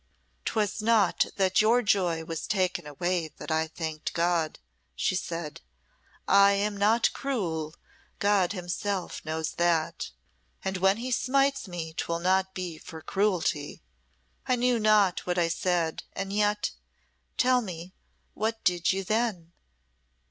"'Twas not that your joy was taken away that I thanked God," said she. "I am not cruel God Himself knows that, and when He smites me 'twill not be for cruelty. I knew not what I said, and yet tell me what did you then?